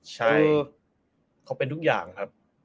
ใช้เขาเป็นทุกอย่างครับ